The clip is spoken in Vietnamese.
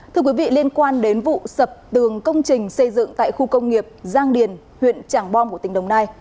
thưa quý vị liên quan đến vụ sập tường công trình xây dựng tại khu công nghiệp giang điền huyện trảng bom của tỉnh đồng nai